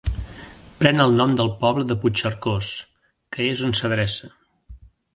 Pren el nom del poble de Puigcercós, que és on s'adreça.